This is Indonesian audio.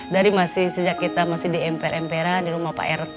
dari masih sejak kita masih di emper emperan di rumah pak rt